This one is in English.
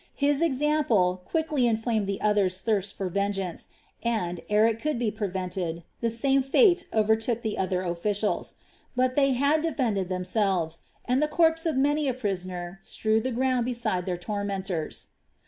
His example quickly inflamed the others' thirst for vengeance and, ere it could be prevented, the same fate overtook the other officials. But they had defended themselves and the corpse of many a prisoner strewed the ground beside their tormentors.